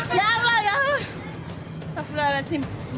ya allah ya allah